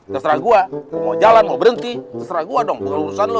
terserah gua mau jalan mau berhenti terserah gua dong bukan urusan lu